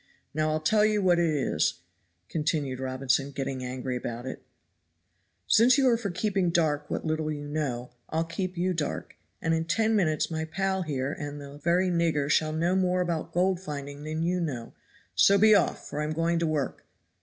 Now I'll tell you what it is," continued Robinson, getting angry about it, "since you are for keeping dark what little you know, I'll keep you dark; and in ten minutes my pal here and the very nigger shall know more about gold finding than you know, so be off, for I'm going to work.